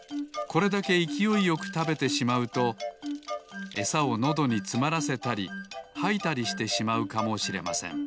これだけいきおいよくたべてしまうとエサをのどにつまらせたりはいたりしてしまうかもしれません